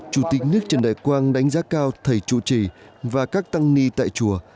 chủ tịch nước trần đại quang đánh giá cao thầy chủ trì và các tăng ni tại chùa